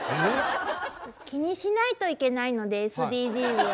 気にしないといけないのでＳＤＧｓは。